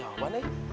gak ada jawaban nih